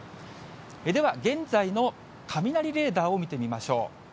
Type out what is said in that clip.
では現在の雷レーダーを見てみましょう。